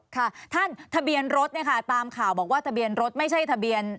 ค่ะท่านทะเบียนรถเนี่ยค่ะตามข่าวบอกว่าทะเบียนรถไม่ใช่ทะเบียน